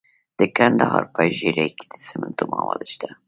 د کندهار په ژیړۍ کې د سمنټو مواد شته.